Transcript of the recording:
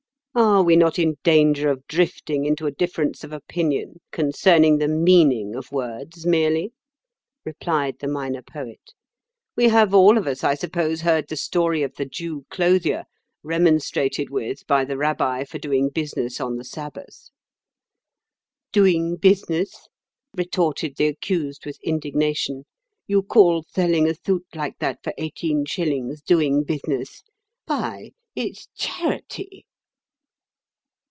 "Are we not in danger of drifting into a difference of opinion concerning the meaning of words merely?" replied the Minor Poet. "We have all of us, I suppose, heard the story of the Jew clothier remonstrated with by the Rabbi for doing business on the Sabbath. 'Doing bithness!' retorted the accused with indignation; 'you call thelling a thuit like that for eighteen shillings doing bithness! By, ith's tharity!